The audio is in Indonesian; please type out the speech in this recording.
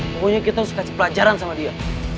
pokoknya kita harus kasih pelajaran sama dia